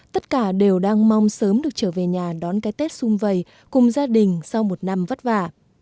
tất cả đều đang mong sớm được trở về nhà đón cái tết xung vầy cùng gia đình sau một năm vất vả